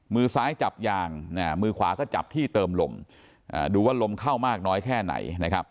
มือซ้ายจับยางมือขวาก็จับที่เติมลมดูว่าลมเข้ามากน้อยแค่ไหนนะครับ